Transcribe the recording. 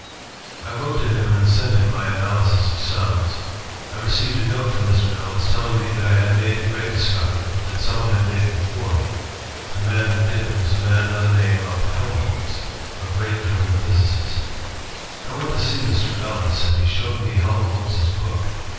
*' I wrote to him and sent him my analysis of sounds. ... I received a note from Mr. Ellis telling me that I had made a great discovery, but that someone had made it before me. The man who did it was a man by the name of Helmholtz, a great German physicist. ''I went to see Mr. Ellis, and he showed me Helmholtz's book.